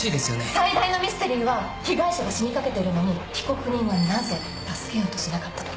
最大のミステリーは被害者が死にかけているのに被告人はなぜ助けようとしなかったのか。